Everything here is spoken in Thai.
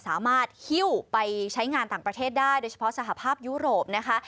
ฮิ้วไปใช้งานต่างประเทศได้โดยเฉพาะสหภาพยุโรปนะคะ